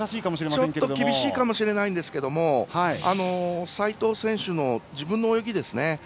ちょっと厳しいかもしれませんが齋藤選手の自分の泳ぎですね。